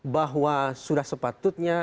bahwa sudah sepatutnya